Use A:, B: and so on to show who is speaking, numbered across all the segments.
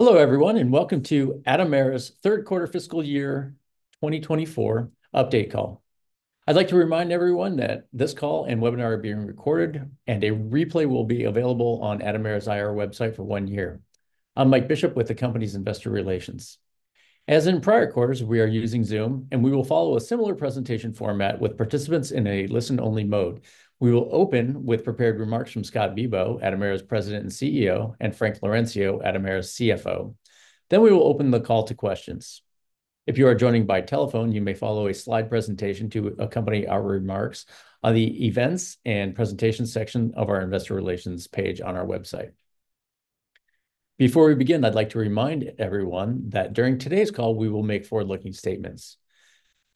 A: Hello, everyone, and welcome to Atomera's third quarter fiscal year 2024 update call. I'd like to remind everyone that this call and webinar are being recorded, and a replay will be available on Atomera's IR website for one year. I'm Mike Bishop with the company's investor relations. As in prior quarters, we are using Zoom, and we will follow a similar presentation format with participants in a listen-only mode. We will open with prepared remarks from Scott Bibaud, Atomera's President and CEO, and Frank Laurencio, Atomera's CFO. Then we will open the call to questions. If you are joining by telephone, you may follow a slide presentation to accompany our remarks on the events and presentation section of our investor relations page on our website. Before we begin, I'd like to remind everyone that during today's call, we will make forward-looking statements.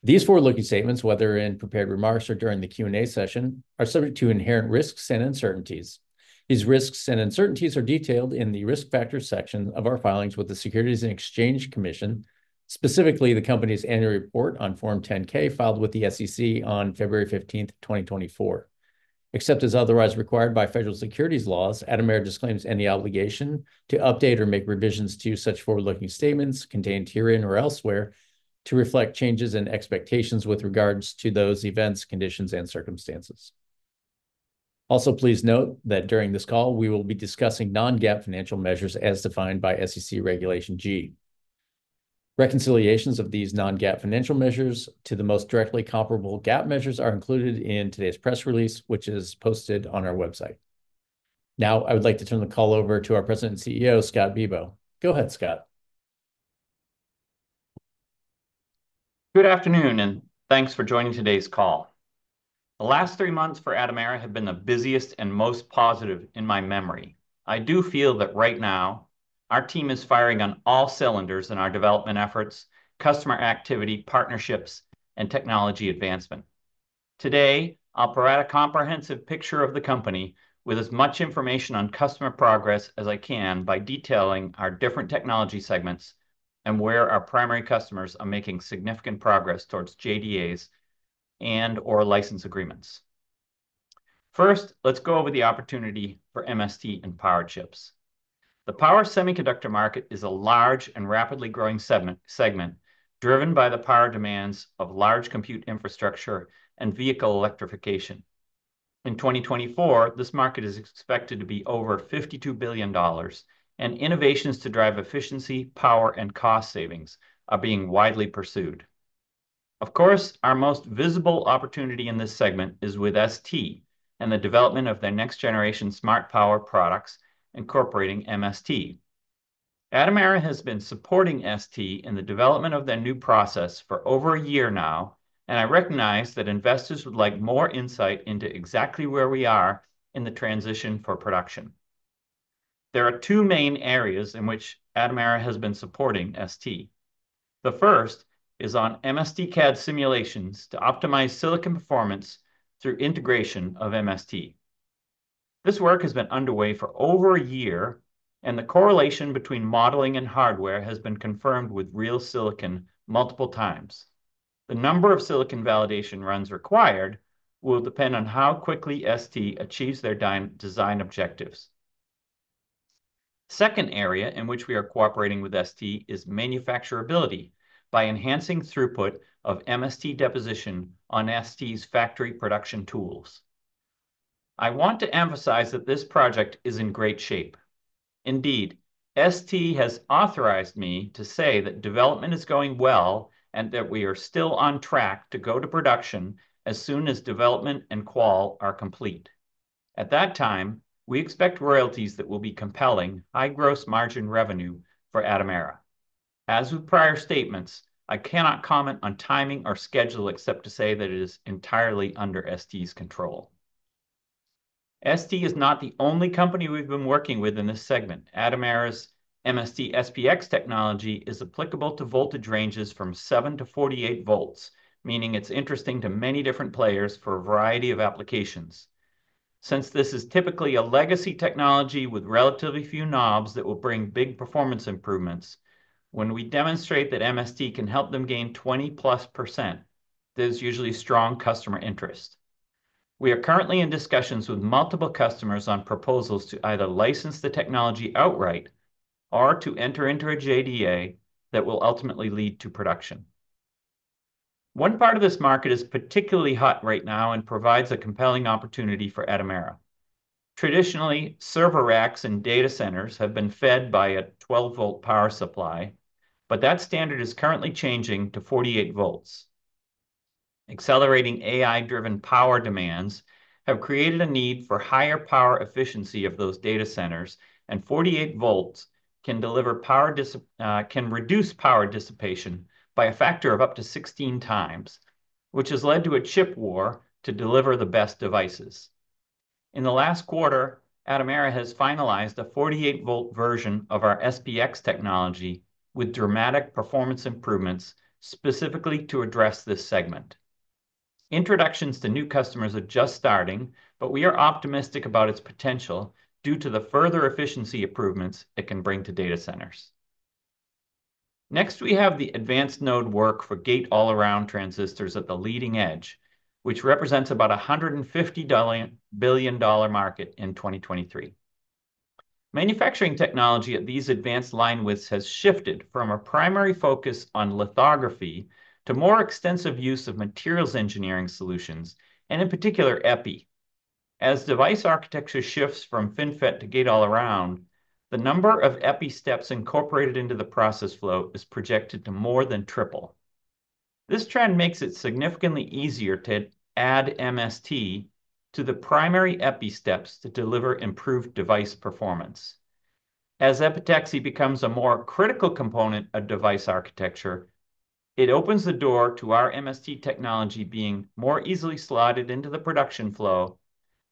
A: These forward-looking statements, whether in prepared remarks or during the Q&A session, are subject to inherent risks and uncertainties. These risks and uncertainties are detailed in the risk factor section of our filings with the Securities and Exchange Commission, specifically the company's annual report on Form 10-K filed with the SEC on February 15th, 2024. Except as otherwise required by federal securities laws, Atomera disclaims any obligation to update or make revisions to such forward-looking statements contained herein or elsewhere to reflect changes in expectations with regards to those events, conditions, and circumstances. Also, please note that during this call, we will be discussing non-GAAP financial measures as defined by SEC Regulation G. Reconciliations of these non-GAAP financial measures to the most directly comparable GAAP measures are included in today's press release, which is posted on our website. Now, I would like to turn the call over to our President and CEO, Scott Bibaud. Go ahead, Scott.
B: Good afternoon, and thanks for joining today's call. The last three months for Atomera have been the busiest and most positive in my memory. I do feel that right now, our team is firing on all cylinders in our development efforts, customer activity, partnerships, and technology advancement. Today, I'll provide a comprehensive picture of the company with as much information on customer progress as I can by detailing our different technology segments and where our primary customers are making significant progress towards JDAs and/or license agreements. First, let's go over the opportunity for MST and power chips. The power semiconductor market is a large and rapidly growing segment driven by the power demands of large compute infrastructure and vehicle electrification. In 2024, this market is expected to be over $52 billion, and innovations to drive efficiency, power, and cost savings are being widely pursued. Of course, our most visible opportunity in this segment is with ST and the development of their next-generation smart power products incorporating MST. Atomera has been supporting ST in the development of their new process for over a year now, and I recognize that investors would like more insight into exactly where we are in the transition for production. There are two main areas in which Atomera has been supporting ST. The first is on MSTcad simulations to optimize silicon performance through integration of MST. This work has been underway for over a year, and the correlation between modeling and hardware has been confirmed with real silicon multiple times. The number of silicon validation runs required will depend on how quickly ST achieves their design objectives. The second area in which we are cooperating with ST is manufacturability by enhancing throughput of MST deposition on ST's factory production tools. I want to emphasize that this project is in great shape. Indeed, ST has authorized me to say that development is going well and that we are still on track to go to production as soon as development and qual are complete. At that time, we expect royalties that will be compelling high gross margin revenue for Atomera. As with prior statements, I cannot comment on timing or schedule except to say that it is entirely under ST's control. ST is not the only company we've been working with in this segment. Atomera's MST SPX technology is applicable to voltage ranges from seven to 48 volts, meaning it's interesting to many different players for a variety of applications. Since this is typically a legacy technology with relatively few knobs that will bring big performance improvements, when we demonstrate that MST can help them gain 20+%, there's usually strong customer interest. We are currently in discussions with multiple customers on proposals to either license the technology outright or to enter into a JDA that will ultimately lead to production. One part of this market is particularly hot right now and provides a compelling opportunity for Atomera. Traditionally, server racks and data centers have been fed by a 12-volt power supply, but that standard is currently changing to 48 volts. Accelerating AI-driven power demands have created a need for higher power efficiency of those data centers, and 48 volts can reduce power dissipation by a factor of up to 16 times, which has led to a chip war to deliver the best devices. In the last quarter, Atomera has finalized a 48-volt version of our SPX technology with dramatic performance improvements specifically to address this segment. Introductions to new customers are just starting, but we are optimistic about its potential due to the further efficiency improvements it can bring to data centers. Next, we have the advanced node work for gate-all-around transistors at the leading edge, which represents about a $150 billion market in 2023. Manufacturing technology at these advanced line widths has shifted from a primary focus on lithography to more extensive use of materials engineering solutions, and in particular, epi. As device architecture shifts from FinFET to gate-all-around, the number of epi steps incorporated into the process flow is projected to more than triple. This trend makes it significantly easier to add MST to the primary epi steps to deliver improved device performance. As epitaxy becomes a more critical component of device architecture, it opens the door to our MST technology being more easily slotted into the production flow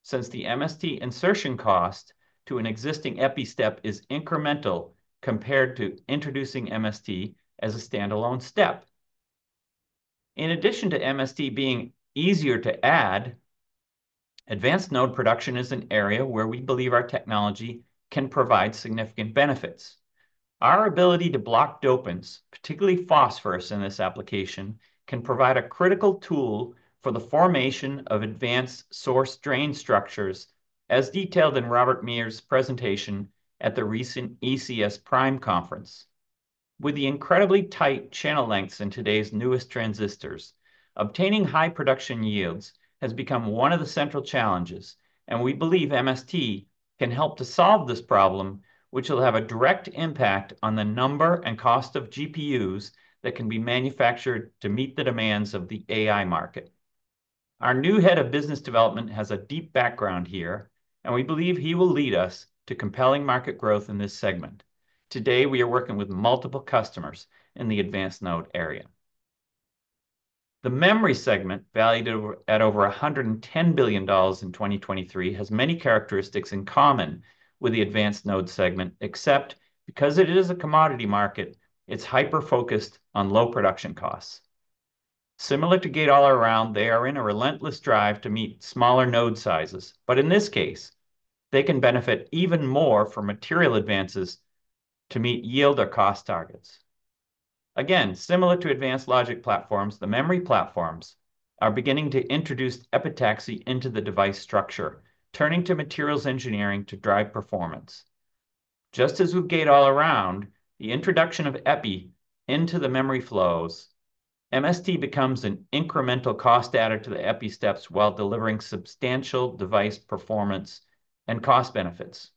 B: since the MST insertion cost to an existing epi step is incremental compared to introducing MST as a standalone step. In addition to MST being easier to add, advanced node production is an area where we believe our technology can provide significant benefits. Our ability to block dopants, particularly phosphorus in this application, can provide a critical tool for the formation of advanced source-drain structures, as detailed in Robert Mears presentation at the recent ECS PRiME Conference. With the incredibly tight channel lengths in today's newest transistors, obtaining high production yields has become one of the central challenges, and we believe MST can help to solve this problem, which will have a direct impact on the number and cost of GPUs that can be manufactured to meet the demands of the AI market. Our new head of business development has a deep background here, and we believe he will lead us to compelling market growth in this segment. Today, we are working with multiple customers in the advanced node area. The memory segment, valued at over $110 billion in 2023, has many characteristics in common with the advanced node segment, except because it is a commodity market, it's hyper-focused on low production costs. Similar to gate-all-around, they are in a relentless drive to meet smaller node sizes, but in this case, they can benefit even more from material advances to meet yield or cost targets. Again, similar to advanced logic platforms, the memory platforms are beginning to introduce epitaxy into the device structure, turning to materials engineering to drive performance. Just as with gate-all-around, the introduction of epi into the memory flows, MST becomes an incremental cost added to the epi steps while delivering substantial device performance and cost benefits.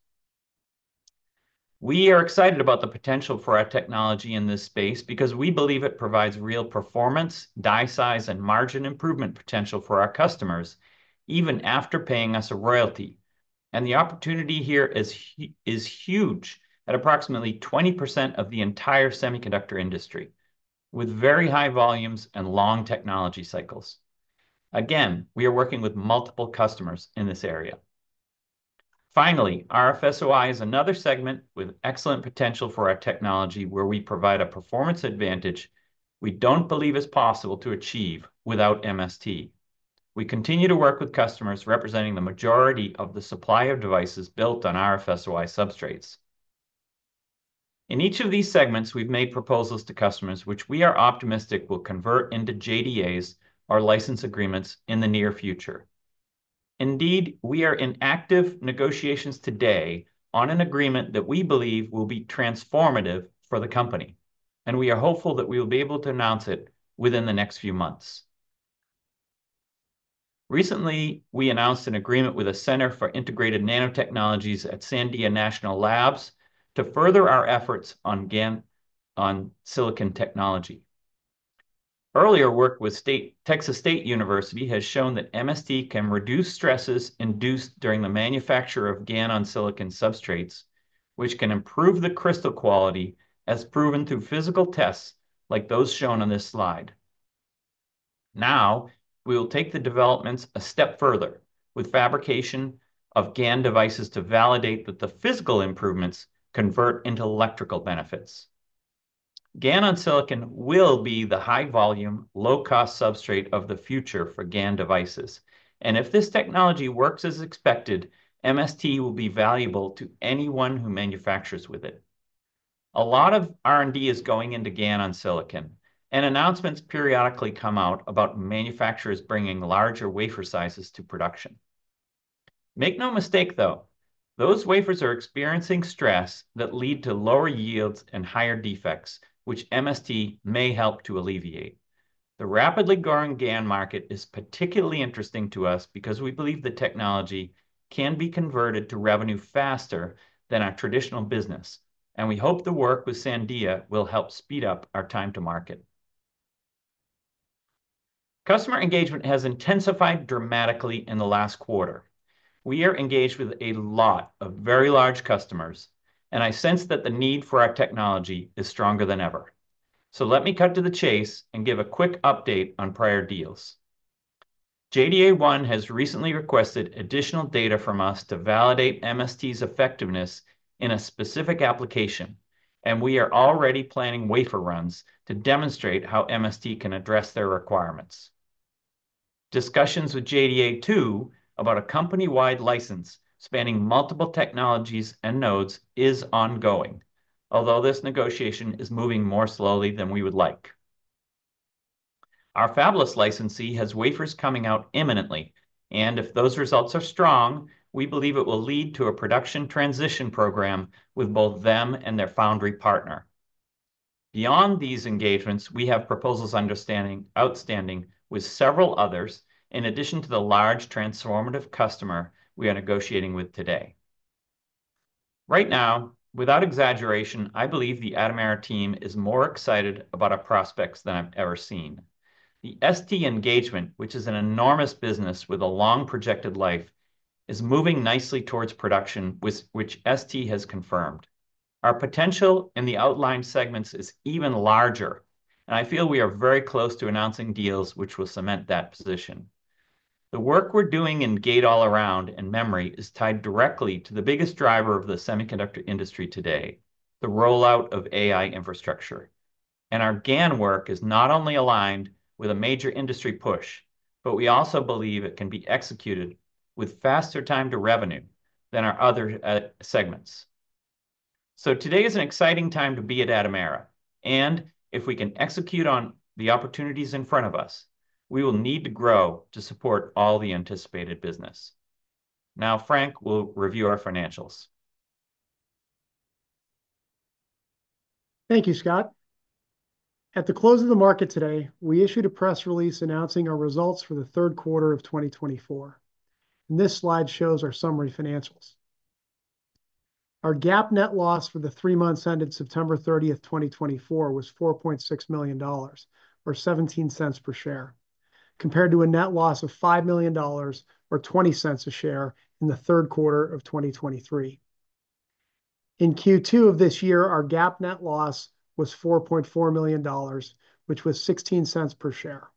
B: We are excited about the potential for our technology in this space because we believe it provides real performance, die size, and margin improvement potential for our customers even after paying us a royalty, and the opportunity here is huge at approximately 20% of the entire semiconductor industry, with very high volumes and long technology cycles. Again, we are working with multiple customers in this area. Finally, RF-SOI is another segment with excellent potential for our technology where we provide a performance advantage we don't believe is possible to achieve without MST. We continue to work with customers representing the majority of the supply of devices built on RF-SOI substrates. In each of these segments, we've made proposals to customers which we are optimistic will convert into JDAs or license agreements in the near future. Indeed, we are in active negotiations today on an agreement that we believe will be transformative for the company, and we are hopeful that we will be able to announce it within the next few months. Recently, we announced an agreement with the Center for Integrated Nanotechnologies at Sandia National Laboratories to further our efforts on silicon technology. Earlier work with Texas State University has shown that MST can reduce stresses induced during the manufacture of GaN on silicon substrates, which can improve the crystal quality as proven through physical tests like those shown on this slide. Now, we will take the developments a step further with fabrication of GaN devices to validate that the physical improvements convert into electrical benefits. GaN on silicon will be the high-volume, low-cost substrate of the future for GaN devices, and if this technology works as expected, MST will be valuable to anyone who manufactures with it. A lot of R&D is going into GaN on silicon, and announcements periodically come out about manufacturers bringing larger wafer sizes to production. Make no mistake, though, those wafers are experiencing stress that leads to lower yields and higher defects, which MST may help to alleviate. The rapidly growing GaN market is particularly interesting to us because we believe the technology can be converted to revenue faster than our traditional business, and we hope the work with Sandia will help speed up our time to market. Customer engagement has intensified dramatically in the last quarter. We are engaged with a lot of very large customers, and I sense that the need for our technology is stronger than ever. So let me cut to the chase and give a quick update on prior deals. JDA One has recently requested additional data from us to validate MST's effectiveness in a specific application, and we are already planning wafer runs to demonstrate how MST can address their requirements. Discussions with JDA Two about a company-wide license spanning multiple technologies and nodes is ongoing, although this negotiation is moving more slowly than we would like. Our fabless licensee has wafers coming out imminently, and if those results are strong, we believe it will lead to a production transition program with both them and their foundry partner. Beyond these engagements, we have proposals outstanding with several others in addition to the large transformative customer we are negotiating with today. Right now, without exaggeration, I believe the Atomera team is more excited about our prospects than I've ever seen. The ST engagement, which is an enormous business with a long projected life, is moving nicely towards production, which ST has confirmed. Our potential in the outlined segments is even larger, and I feel we are very close to announcing deals which will cement that position. The work we're doing in gate-all-around and memory is tied directly to the biggest driver of the semiconductor industry today, the rollout of AI infrastructure. And our GaN work is not only aligned with a major industry push, but we also believe it can be executed with faster time to revenue than our other segments. So today is an exciting time to be at Atomera, and if we can execute on the opportunities in front of us, we will need to grow to support all the anticipated business. Now, Frank will review our financials.
C: Thank you, Scott. At the close of the market today, we issued a press release announcing our results for the third quarter of 2024. This slide shows our summary financials. Our GAAP net loss for the three months ended September 30th, 2024, was $4.6 million or $0.17 per share, compared to a net loss of $5 million or $0.20 a share in the third quarter of 2023. In Q2 of this year, our GAAP net loss was $4.4 million, which was $0.16 per share.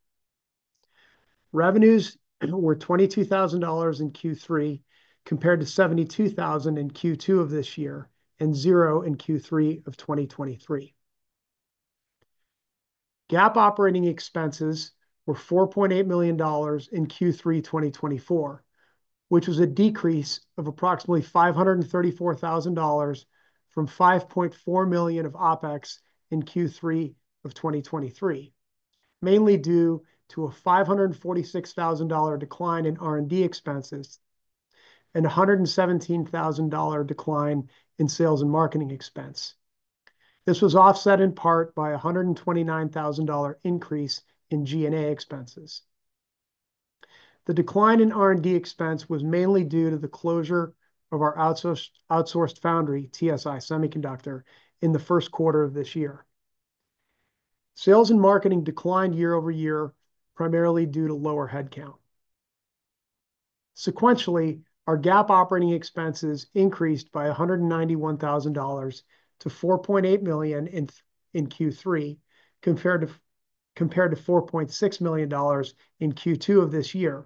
C: Revenues were $22,000 in Q3, compared to $72,000 in Q2 of this year and zero in Q3 of 2023. GAAP operating expenses were $4.8 million in Q3 2024, which was a decrease of approximately $534,000 from $5.4 million of OpEx in Q3 of 2023, mainly due to a $546,000 decline in R&D expenses and a $117,000 decline in sales and marketing expense. This was offset in part by a $129,000 increase in G&A expenses. The decline in R&D expense was mainly due to the closure of our outsourced foundry, TSI Semiconductor, in the first quarter of this year. Sales and marketing declined year-over-year, primarily due to lower headcount. Sequentially, our GAAP operating expenses increased by $191,000 to $4.8 million in Q3, compared to $4.6 million in Q2 of this year,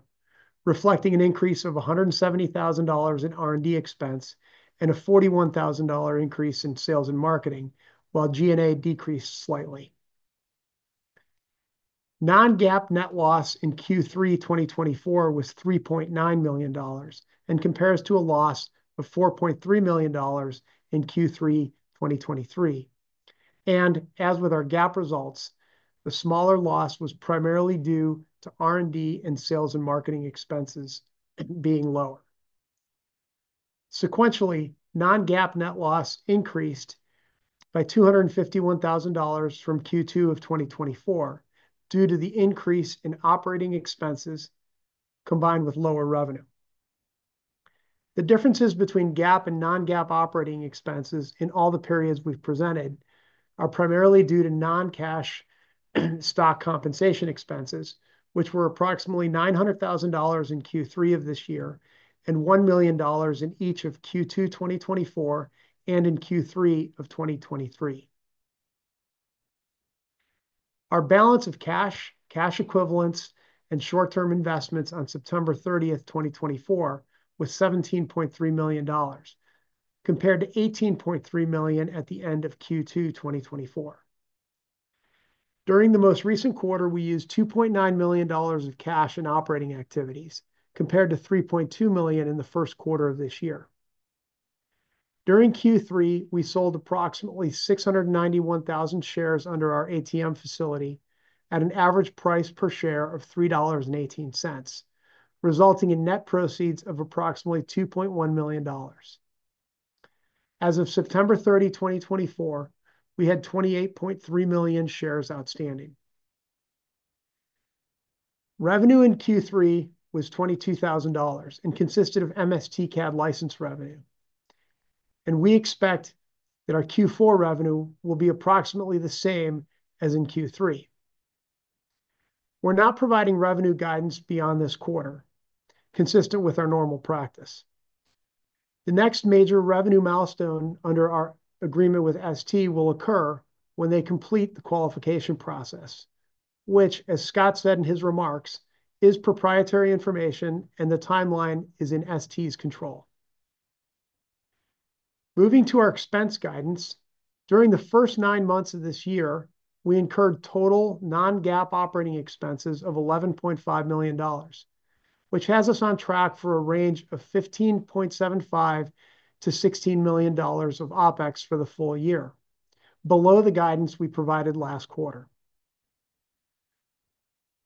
C: reflecting an increase of $170,000 in R&D expense and a $41,000 increase in sales and marketing, while G&A decreased slightly. Non-GAAP net loss in Q3 2024 was $3.9 million and compares to a loss of $4.3 million in Q3 2023, and as with our GAAP results, the smaller loss was primarily due to R&D and sales and marketing expenses being lower. Sequentially, non-GAAP net loss increased by $251,000 from Q2 of 2024 due to the increase in operating expenses combined with lower revenue. The differences between GAAP and non-GAAP operating expenses in all the periods we've presented are primarily due to non-cash stock compensation expenses, which were approximately $900,000 in Q3 of this year and $1 million in each of Q2 2024 and in Q3 of 2023. Our balance of cash, cash equivalents, and short-term investments on September 30th, 2024, was $17.3 million, compared to $18.3 million at the end of Q2 2024. During the most recent quarter, we used $2.9 million of cash and operating activities, compared to $3.2 million in the first quarter of this year. During Q3, we sold approximately 691,000 shares under our ATM facility at an average price per share of $3.18, resulting in net proceeds of approximately $2.1 million. As of September 30, 2024, we had 28.3 million shares outstanding. Revenue in Q3 was $22,000 and consisted of MSTcad license revenue, and we expect that our Q4 revenue will be approximately the same as in Q3. We're not providing revenue guidance beyond this quarter, consistent with our normal practice. The next major revenue milestone under our agreement with ST will occur when they complete the qualification process, which, as Scott said in his remarks, is proprietary information and the timeline is in ST's control. Moving to our expense guidance, during the first nine months of this year, we incurred total non-GAAP operating expenses of $11.5 million, which has us on track for a range of $15.75 million-$16 million of OpEx for the full year, below the guidance we provided last quarter.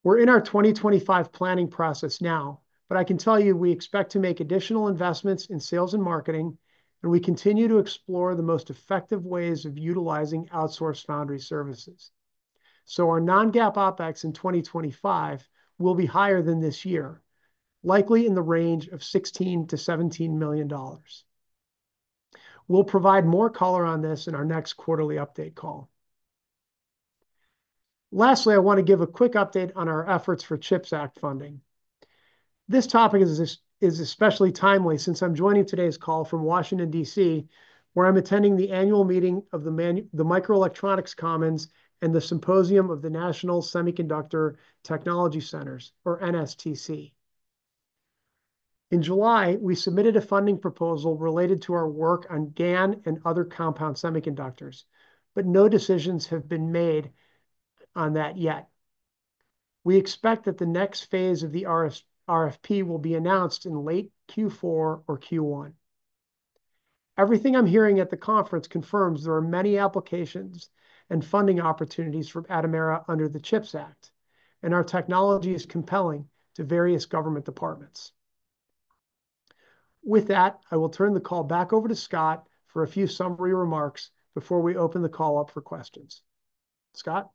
C: We're in our 2025 planning process now, but I can tell you we expect to make additional investments in sales and marketing, and we continue to explore the most effective ways of utilizing outsourced foundry services. So our non-GAAP OpEx in 2025 will be higher than this year, likely in the range of $16 million-$17 million. We'll provide more color on this in our next quarterly update call. Lastly, I want to give a quick update on our efforts for CHIPS Act funding. This topic is especially timely since I'm joining today's call from Washington, D.C., where I'm attending the annual meeting of the Microelectronics Commons and the Symposium of the National Semiconductor Technology Center, or NSTC. In July, we submitted a funding proposal related to our work on GaN and other compound semiconductors, but no decisions have been made on that yet. We expect that the next phase of the RFP will be announced in late Q4 or Q1. Everything I'm hearing at the conference confirms there are many applications and funding opportunities for Atomera under the CHIPS Act, and our technology is compelling to various government departments. With that, I will turn the call back over to Scott for a few summary remarks before we open the call up for questions. Scott?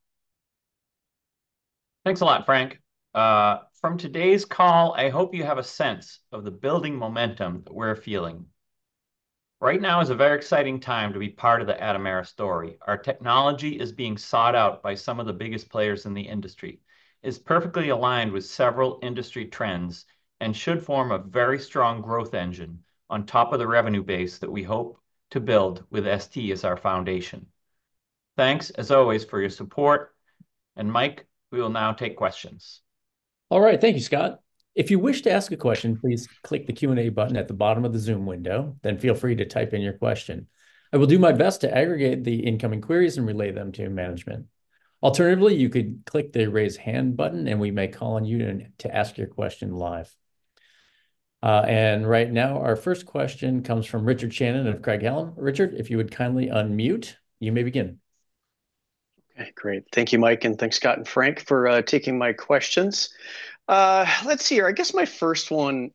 B: Thanks a lot, Frank. From today's call, I hope you have a sense of the building momentum that we're feeling. Right now is a very exciting time to be part of the Atomera story. Our technology is being sought out by some of the biggest players in the industry. It's perfectly aligned with several industry trends and should form a very strong growth engine on top of the revenue base that we hope to build with ST as our foundation. Thanks, as always, for your support. And, Mike, we will now take questions.
A: All right. Thank you, Scott. If you wish to ask a question, please click the Q&A button at the bottom of the Zoom window. Then feel free to type in your question. I will do my best to aggregate the incoming queries and relay them to management. Alternatively, you could click the raise hand button, and we may call on you to ask your question live. And right now, our first question comes from Richard Shannon of Craig-Hallum. Richard, if you would kindly unmute, you may begin.
D: Okay, great. Thank you, Mike, and thanks, Scott and Frank, for taking my questions. Let's see here. I guess my first one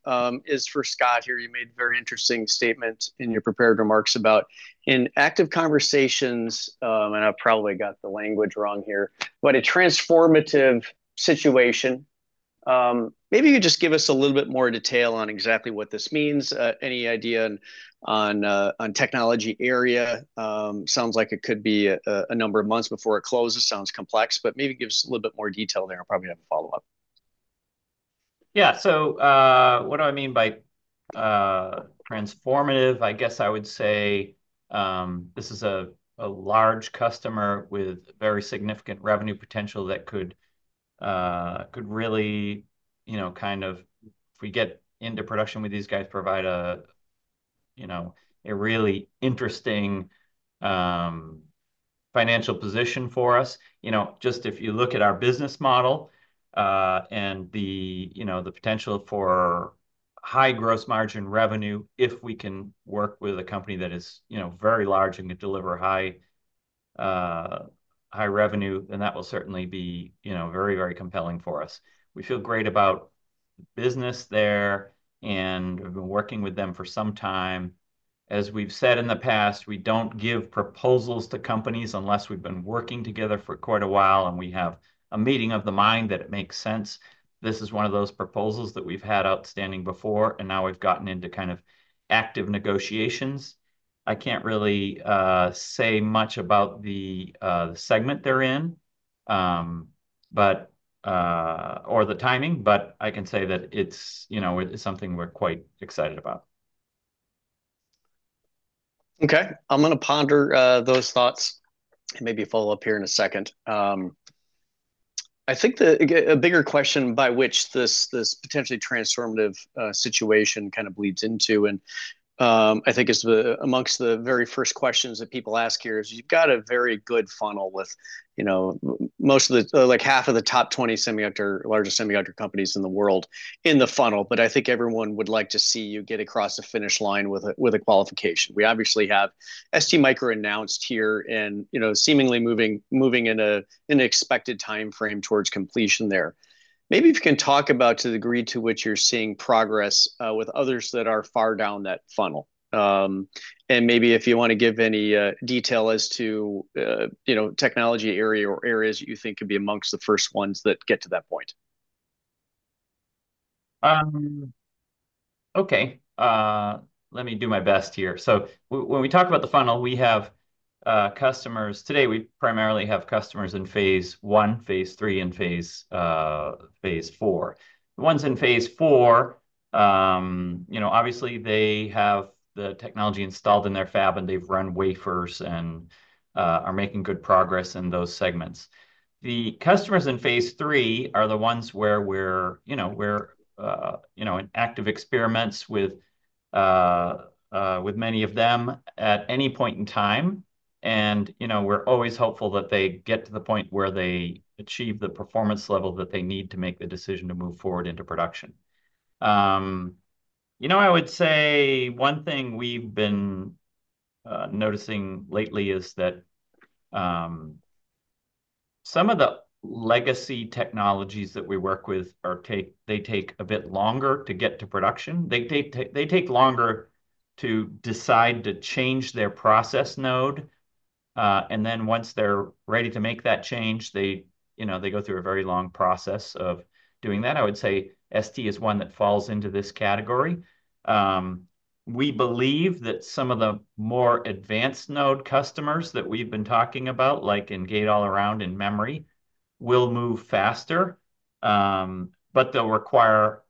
D: is for Scott here. You made a very interesting statement in your prepared remarks about, in active conversations, and I probably got the language wrong here, but a transformative situation. Maybe you could just give us a little bit more detail on exactly what this means, any idea on the technology area. Sounds like it could be a number of months before it closes. Sounds complex, but maybe give us a little bit more detail there. I'll probably have to follow up.
B: Yeah, so what do I mean by transformative? I guess I would say this is a large customer with very significant revenue potential that could really kind of, if we get into production with these guys, provide a really interesting financial position for us. Just if you look at our business model and the potential for high gross margin revenue, if we can work with a company that is very large and can deliver high revenue, then that will certainly be very, very compelling for us. We feel great about the business there, and we've been working with them for some time. As we've said in the past, we don't give proposals to companies unless we've been working together for quite a while, and we have a meeting of the mind that it makes sense. This is one of those proposals that we've had outstanding before, and now we've gotten into kind of active negotiations. I can't really say much about the segment they're in or the timing, but I can say that it's something we're quite excited about.
D: Okay. I'm going to ponder those thoughts and maybe follow up here in a second. I think a bigger question by which this potentially transformative situation kind of bleeds into, and I think is among the very first questions that people ask here, is you've got a very good funnel with most of the, like half of the top 20 largest semiconductor companies in the world in the funnel, but I think everyone would like to see you get across the finish line with a qualification. We obviously have ST announced here and seemingly moving in an expected timeframe towards completion there. Maybe if you can talk about to the degree to which you're seeing progress with others that are far down that funnel. And maybe if you want to give any detail as to technology area or areas that you think could be among the first ones that get to that point.
B: Okay. Let me do my best here. So when we talk about the funnel, we have customers. Today, we primarily have customers in phase one, phase three, and phase four. The ones in phase four, obviously, they have the technology installed in their fab, and they've run wafers and are making good progress in those segments. The customers in phase three are the ones where we're in active experiments with many of them at any point in time. And we're always hopeful that they get to the point where they achieve the performance level that they need to make the decision to move forward into production. I would say one thing we've been noticing lately is that some of the legacy technologies that we work with, they take a bit longer to get to production. They take longer to decide to change their process node. And then once they're ready to make that change, they go through a very long process of doing that. I would say ST is one that falls into this category. We believe that some of the more advanced node customers that we've been talking about, like in gate-all-around and memory, will move faster, but they'll require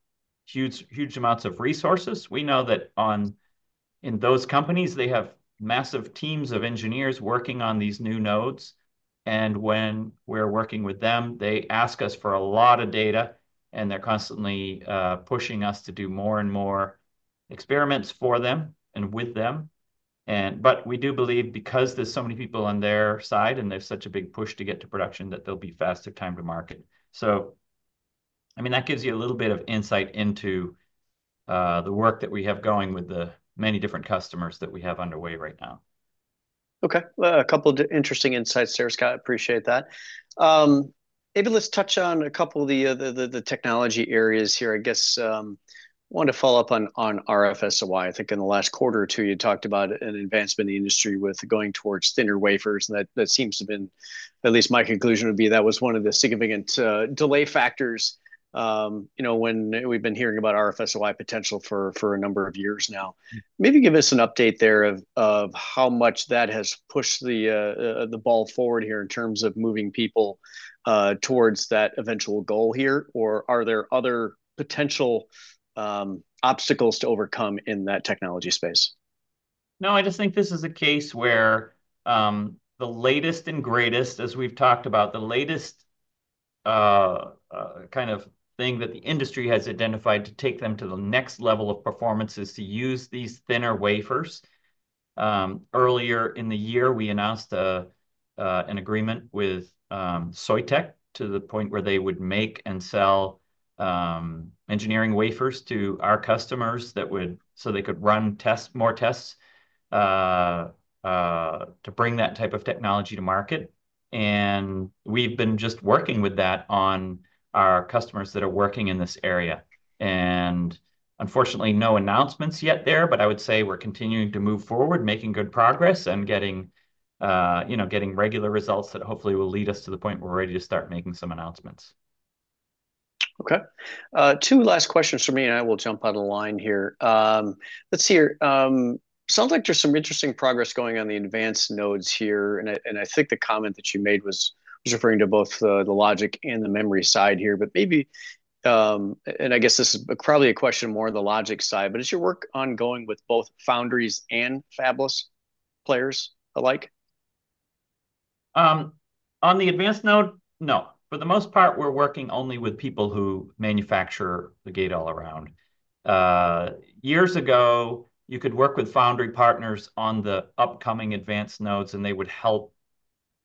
B: huge amounts of resources. We know that in those companies, they have massive teams of engineers working on these new nodes. And when we're working with them, they ask us for a lot of data, and they're constantly pushing us to do more and more experiments for them and with them. But we do believe because there's so many people on their side and there's such a big push to get to production that they'll be faster time to market. So I mean, that gives you a little bit of insight into the work that we have going with the many different customers that we have underway right now.
D: Okay. A couple of interesting insights there, Scott. I appreciate that. Maybe let's touch on a couple of the technology areas here. I guess I want to follow up on RF SOI. I think in the last quarter or two, you talked about an advancement in the industry with going towards thinner wafers. That seems to have been, at least my conclusion would be, that was one of the significant delay factors when we've been hearing about RF SOI potential for a number of years now. Maybe give us an update there of how much that has pushed the ball forward here in terms of moving people towards that eventual goal here, or are there other potential obstacles to overcome in that technology space?
B: No, I just think this is a case where the latest and greatest, as we've talked about, the latest kind of thing that the industry has identified to take them to the next level of performance is to use these thinner wafers. Earlier in the year, we announced an agreement with Soitec to the point where they would make and sell engineering wafers to our customers so they could run more tests to bring that type of technology to market. And we've been just working with that on our customers that are working in this area. And unfortunately, no announcements yet there, but I would say we're continuing to move forward, making good progress, and getting regular results that hopefully will lead us to the point where we're ready to start making some announcements.
D: Okay. Two last questions for me, and I will jump on the line here. Let's see here. Sounds like there's some interesting progress going on the advanced nodes here. And I think the comment that you made was referring to both the logic and the memory side here. And I guess this is probably a question more on the logic side, but is your work ongoing with both foundries and fabless players alike?
B: On the advanced node, no. For the most part, we're working only with people who manufacture the gate-all-around. Years ago, you could work with foundry partners on the upcoming advanced nodes, and they would help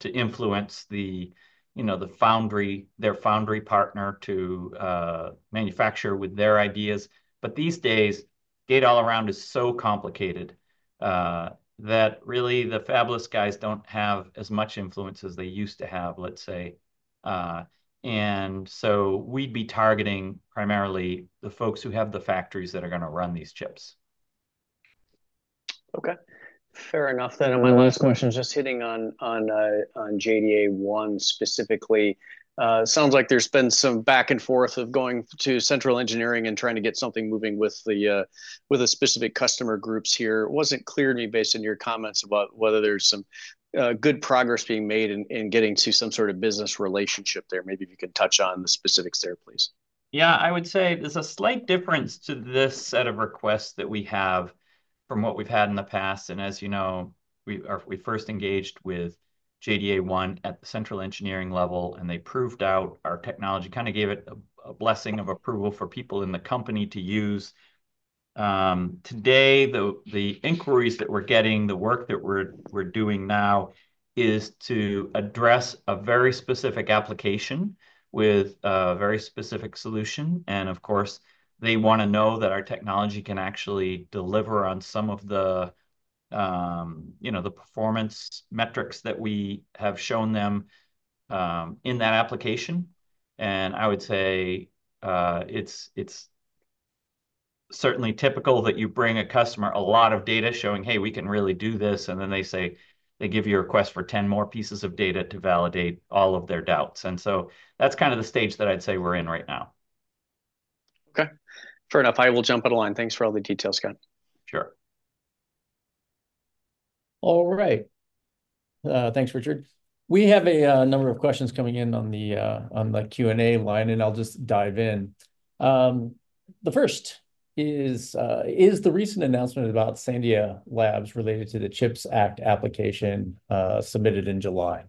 B: to influence their foundry partner to manufacture with their ideas. But these days, gate-all-around is so complicated that really the fabless guys don't have as much influence as they used to have, let's say. And so we'd be targeting primarily the folks who have the factories that are going to run these chips.
D: Okay. Fair enough. Then my last question is just hitting on JDA1 specifically. Sounds like there's been some back and forth of going to central engineering and trying to get something moving with the specific customer groups here. It wasn't clear to me based on your comments about whether there's some good progress being made in getting to some sort of business relationship there. Maybe if you can touch on the specifics there, please.
B: Yeah. I would say there's a slight difference to this set of requests that we have from what we've had in the past, and as you know, we first engaged with JDA1 at the central engineering level, and they proved out our technology, kind of gave it a blessing of approval for people in the company to use. Today, the inquiries that we're getting, the work that we're doing now is to address a very specific application with a very specific solution, and of course, they want to know that our technology can actually deliver on some of the performance metrics that we have shown them in that application, and I would say it's certainly typical that you bring a customer a lot of data showing, "Hey, we can really do this," and then they give you a request for 10 more pieces of data to validate all of their doubts. And so that's kind of the stage that I'd say we're in right now.
D: Okay. Fair enough. I will jump on the line. Thanks for all the details, Scott.
B: Sure.
A: All right. Thanks, Richard. We have a number of questions coming in on the Q&A line, and I'll just dive in. The first is, is the recent announcement about Sandia Labs related to the CHIPS Act application submitted in July?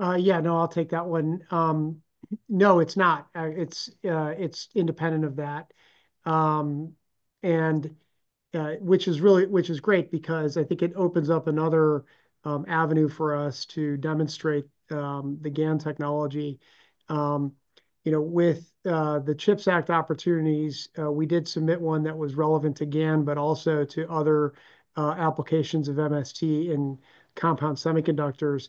C: Yeah. No, I'll take that one. No, it's not. It's independent of that, which is great because I think it opens up another avenue for us to demonstrate the GaN technology. With the CHIPS Act opportunities, we did submit one that was relevant to GaN, but also to other applications of MST in compound semiconductors.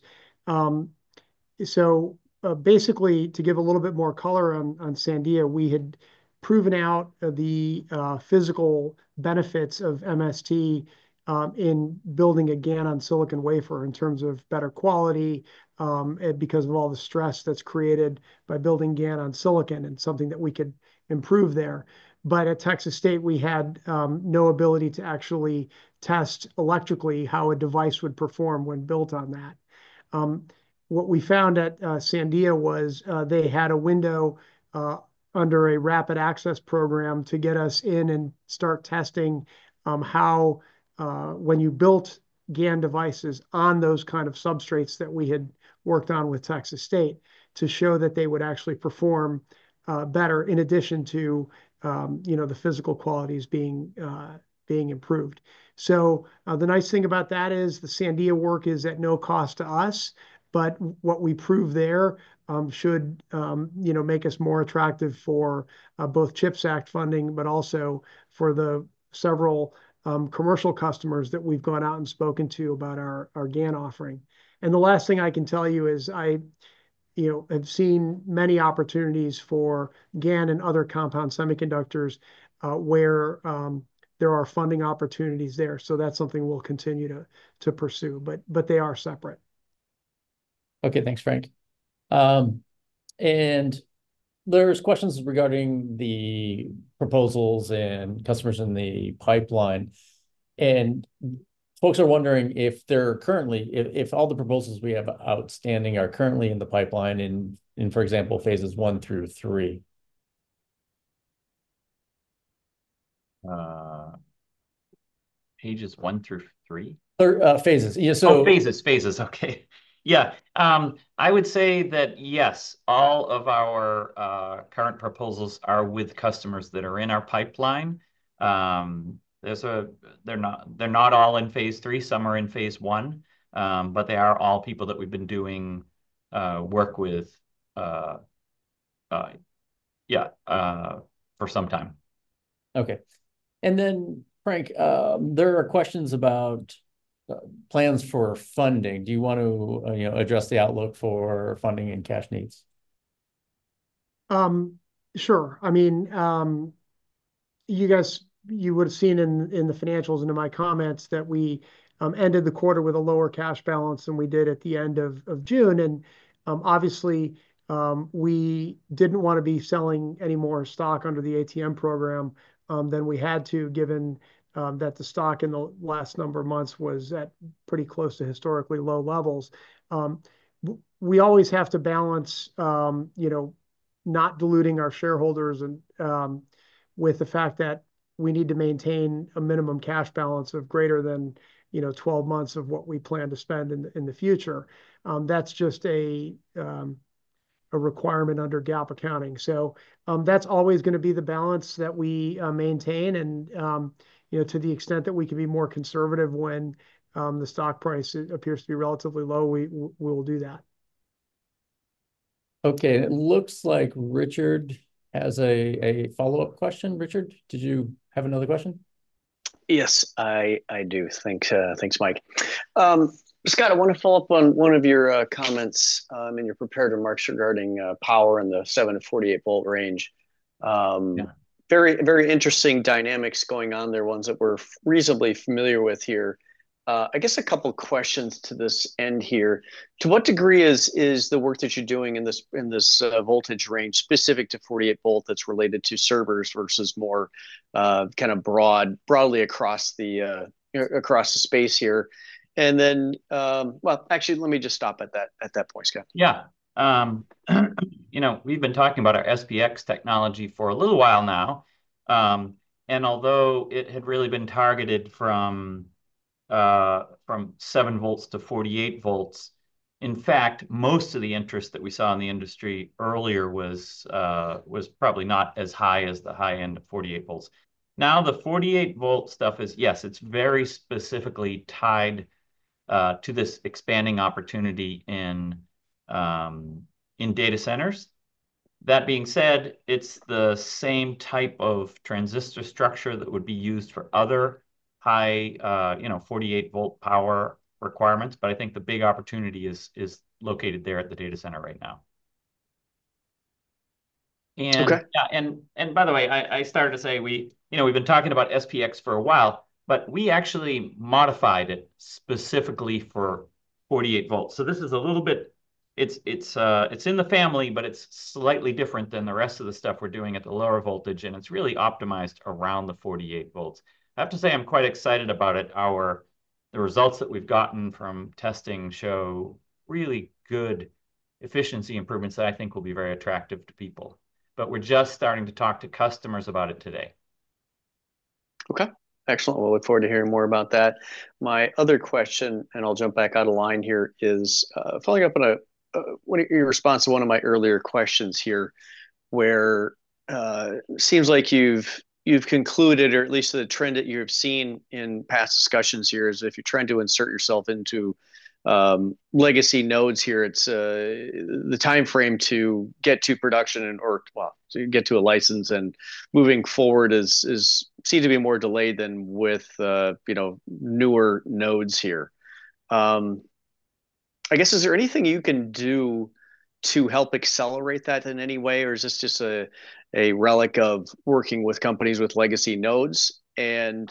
C: So basically, to give a little bit more color on Sandia, we had proven out the physical benefits of MST in building a GaN on silicon wafer in terms of better quality because of all the stress that's created by building GaN on silicon and something that we could improve there. But at Texas State, we had no ability to actually test electrically how a device would perform when built on that. What we found at Sandia was they had a window under a rapid access program to get us in and start testing how when you built GaN devices on those kind of substrates that we had worked on with Texas State to show that they would actually perform better in addition to the physical qualities being improved. So the nice thing about that is the Sandia work is at no cost to us, but what we prove there should make us more attractive for both CHIPS Act funding, but also for the several commercial customers that we've gone out and spoken to about our GaN offering. And the last thing I can tell you is I have seen many opportunities for GaN and other compound semiconductors where there are funding opportunities there. So that's something we'll continue to pursue, but they are separate.
A: Okay. Thanks, Frank. And there's questions regarding the proposals and customers in the pipeline. And folks are wondering if all the proposals we have outstanding are currently in the pipeline in, for example, phases one through three.
B: Phases. Okay. Yeah. I would say that yes, all of our current proposals are with customers that are in our pipeline. They're not all in phase three. Some are in phase one, but they are all people that we've been doing work with, yeah, for some time.
A: Okay. And then, Frank, there are questions about plans for funding. Do you want to address the outlook for funding and cash needs?
C: Sure. I mean, you would have seen in the financials and in my comments that we ended the quarter with a lower cash balance than we did at the end of June. And obviously, we didn't want to be selling any more stock under the ATM program than we had to, given that the stock in the last number of months was at pretty close to historically low levels. We always have to balance not diluting our shareholders with the fact that we need to maintain a minimum cash balance of greater than 12 months of what we plan to spend in the future. That's just a requirement under GAAP accounting. So that's always going to be the balance that we maintain. And to the extent that we can be more conservative when the stock price appears to be relatively low, we will do that.
A: Okay. And it looks like Richard has a follow-up question. Richard, did you have another question?
D: Yes, I do. Thanks, Mike. Scott, I want to follow up on one of your comments in your prepared remarks regarding power in the 7 to 48-volt range. Very interesting dynamics going on there, ones that we're reasonably familiar with here. I guess a couple of questions to this end here. To what degree is the work that you're doing in this voltage range specific to 48-volt that's related to servers versus more kind of broadly across the space here? And then, well, actually, let me just stop at that point, Scott.
B: Yeah. We've been talking about our SPX technology for a little while now. And although it had really been targeted from 7 volts to 48 volts, in fact, most of the interest that we saw in the industry earlier was probably not as high as the high end of 48 volts. Now, the 48-volt stuff is, yes, it's very specifically tied to this expanding opportunity in data centers. That being said, it's the same type of transistor structure that would be used for other high 48-volt power requirements. But I think the big opportunity is located there at the data center right now. And by the way, I started to say we've been talking about SPX for a while, but we actually modified it specifically for 48 volts. So this is a little bit, it's in the family, but it's slightly different than the rest of the stuff we're doing at the lower voltage, and it's really optimized around the 48 volts. I have to say I'm quite excited about it. The results that we've gotten from testing show really good efficiency improvements that I think will be very attractive to people. But we're just starting to talk to customers about it today.
D: Okay. Excellent. We'll look forward to hearing more about that. My other question, and I'll jump back out of line here, is following up on your response to one of my earlier questions here, where it seems like you've concluded, or at least the trend that you've seen in past discussions here is if you're trying to insert yourself into legacy nodes here, the timeframe to get to production or get to a license and moving forward seems to be more delayed than with newer nodes here. I guess, is there anything you can do to help accelerate that in any way, or is this just a relic of working with companies with legacy nodes? And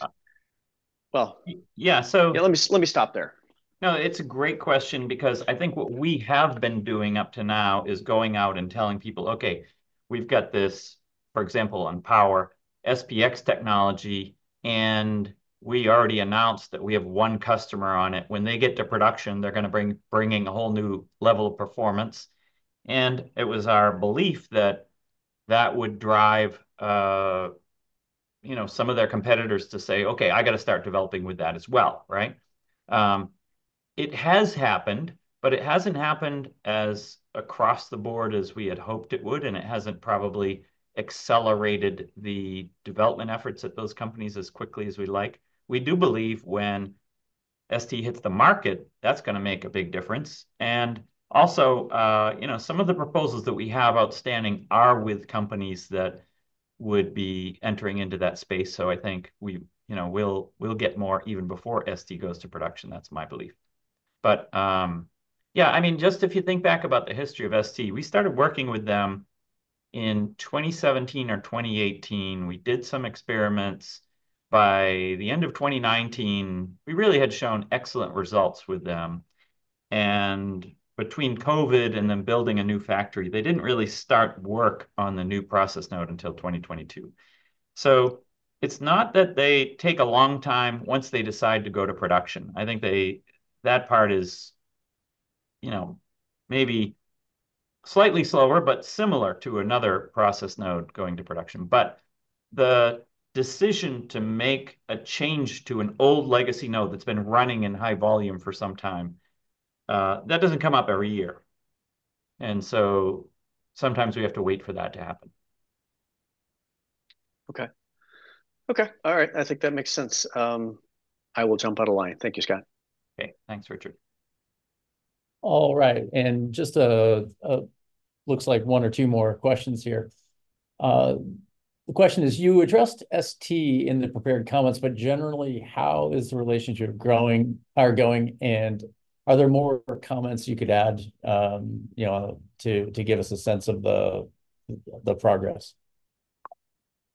D: well.
B: Yeah. So.
D: Let me stop there.
B: No, it's a great question because I think what we have been doing up to now is going out and telling people, "Okay, we've got this, for example, on power, SPX technology, and we already announced that we have one customer on it. When they get to production, they're going to be bringing a whole new level of performance," and it was our belief that that would drive some of their competitors to say, "Okay, I got to start developing with that as well." Right? It has happened, but it hasn't happened as across the board as we had hoped it would, and it hasn't probably accelerated the development efforts at those companies as quickly as we'd like. We do believe when ST hits the market, that's going to make a big difference. And also, some of the proposals that we have outstanding are with companies that would be entering into that space. So I think we'll get more even before ST goes to production. That's my belief. But yeah, I mean, just if you think back about the history of ST, we started working with them in 2017 or 2018. We did some experiments. By the end of 2019, we really had shown excellent results with them. And between COVID and then building a new factory, they didn't really start work on the new process node until 2022. So it's not that they take a long time once they decide to go to production. I think that part is maybe slightly slower, but similar to another process node going to production. But the decision to make a change to an old legacy node that's been running in high volume for some time, that doesn't come up every year. And so sometimes we have to wait for that to happen.
D: Okay. Okay. All right. I think that makes sense. I will jump out of line. Thank you, Scott.
B: Okay. Thanks, Richard.
A: All right. And just looks like one or two more questions here. The question is, you addressed ST in the prepared comments, but generally, how is the relationship going? And are there more comments you could add to give us a sense of the progress?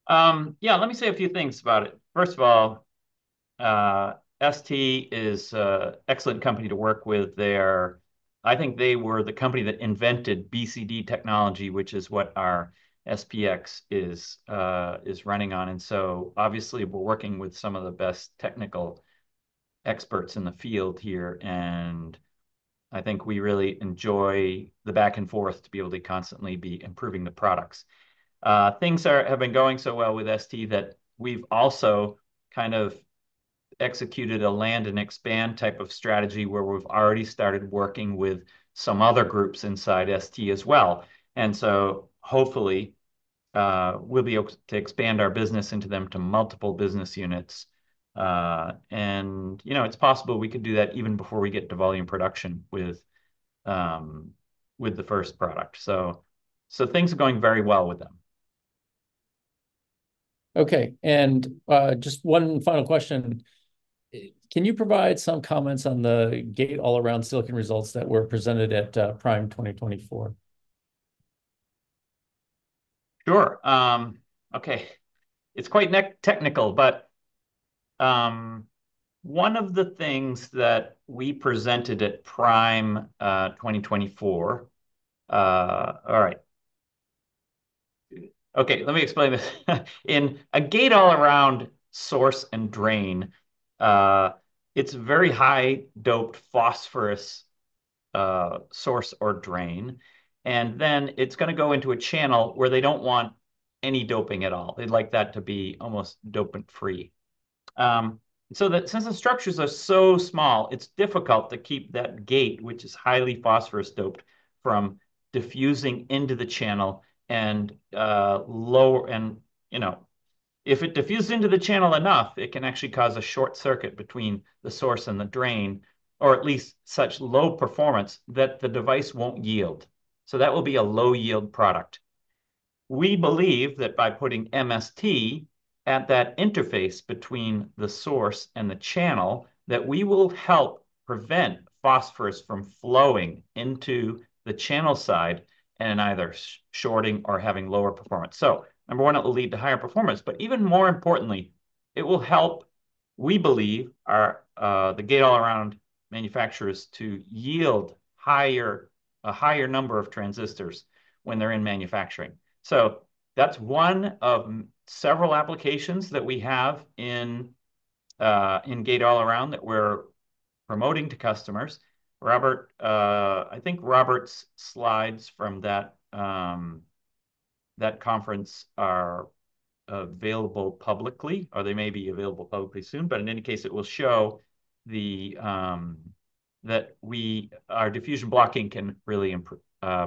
B: Yeah. Let me say a few things about it. First of all, ST is an excellent company to work with. I think they were the company that invented BCD technology, which is what our SPX is running on. And so obviously, we're working with some of the best technical experts in the field here. And I think we really enjoy the back and forth to be able to constantly be improving the products. Things have been going so well with ST that we've also kind of executed a land and expand type of strategy where we've already started working with some other groups inside ST as well. And so hopefully, we'll be able to expand our business into them to multiple business units. And it's possible we could do that even before we get to volume production with the first product. So things are going very well with them.
A: Okay. And just one final question. Can you provide some comments on the gate-all-around silicon results that were presented at PRiME 2024?
B: Sure. Okay. It's quite technical, but one of the things that we presented at PRiME 2024, all right. Okay. Let me explain this. In a gate-all-around source and drain, it's a very high-doped phosphorus source or drain. And then it's going to go into a channel where they don't want any doping at all. They'd like that to be almost dopant-free. So since the structures are so small, it's difficult to keep that gate, which is highly phosphorus doped, from diffusing into the channel and lower. And if it diffuses into the channel enough, it can actually cause a short circuit between the source and the drain, or at least such low performance that the device won't yield. So that will be a low-yield product. We believe that by putting MST at that interface between the source and the channel, that we will help prevent phosphorus from flowing into the channel side and either shorting or having lower performance. So number one, it will lead to higher performance. But even more importantly, it will help, we believe, the gate-all-around manufacturers to yield a higher number of transistors when they're in manufacturing. So that's one of several applications that we have in gate-all-around that we're promoting to customers. I think Robert's slides from that conference are available publicly, or they may be available publicly soon. But in any case, it will show that our diffusion blocking can really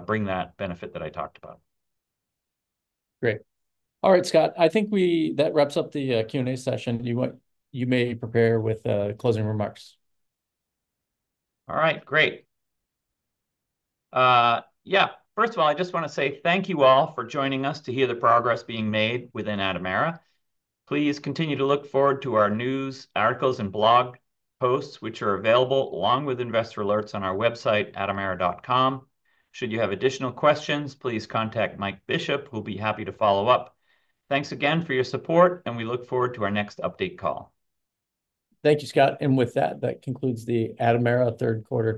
B: bring that benefit that I talked about.
A: Great. All right, Scott. I think that wraps up the Q&A session. You may prepare with closing remarks.
B: All right. Great. Yeah. First of all, I just want to say thank you all for joining us to hear the progress being made within Atomera. Please continue to look forward to our news, articles, and blog posts, which are available along with investor alerts on our website, atomera.com. Should you have additional questions, please contact Mike Bishop. We'll be happy to follow up. Thanks again for your support, and we look forward to our next update call.
A: Thank you, Scott. And with that, that concludes the Atomera third quarter.